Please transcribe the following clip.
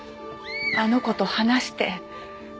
あの子と話して。